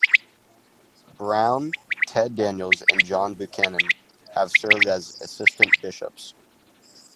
Brown, Ted Daniels and John Buchanan have served as assistant bishops.